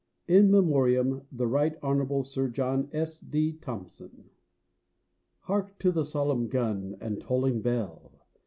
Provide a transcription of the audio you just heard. (In Memoriam The Rt. Hon. Sir John S. D. Thompson.) Hark to the solemn gun and tolling bell!